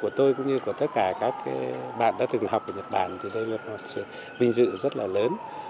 của tôi cũng như của tất cả các bạn đã từng học ở nhật bản thì đây là một sự vinh dự rất là lớn